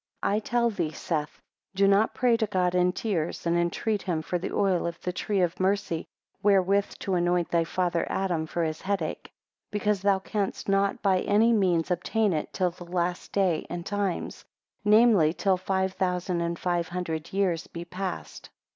4 I tell thee, Seth, do not pray to God in tears, and entreat him for the oil of the tree of mercy wherewith to anoint thy father Adam for his head ache; 5 Because thou canst not by any means obtain it till the last day and times, namely, till five thousand and five hundred years be past.